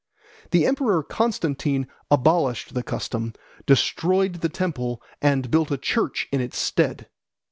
The emperor Constantine abolished the custom, destroyed the temple, and built a church in its stead.